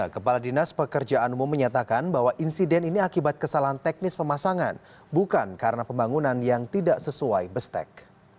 kepala dinas pekerjaan umum menyatakan bahwa insiden ini akibat kesalahan teknis pemasangan bukan karena pembangunan yang tidak sesuai bestek